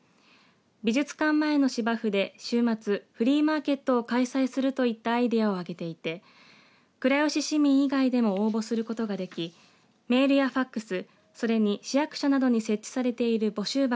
美術館前の芝生で週末フリーマーケットを開催するといったアイデアを挙げていて倉吉市民以外でも応募することができメールやファックス